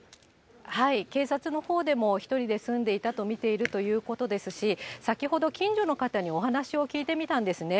警察のほうでも、１人で住んでいたと見ているということですし、先ほど、近所の方にお話を聞いてみたんですね。